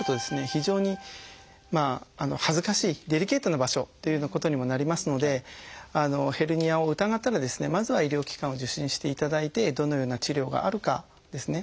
非常に恥ずかしいデリケートな場所っていうようなことにもなりますのでヘルニアを疑ったらですねまずは医療機関を受診していただいてどのような治療があるかですね